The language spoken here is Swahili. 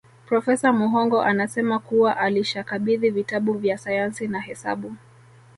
Profesa Muhongo anasema kuwa alishakabidhi vitabu vya Sayansi na Hesabu